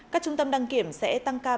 các trung tâm đăng kiểm sẽ tăng cao